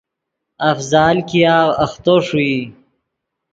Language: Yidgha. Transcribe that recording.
افضال ګیاغ اختو ݰوئی